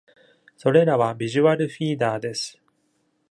それらは、ビジュアルフィーダーです。